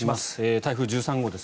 台風１３号です。